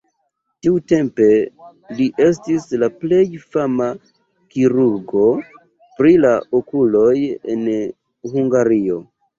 Tiutempe li estis la plej fama kirurgo pri la okuloj en Hungario.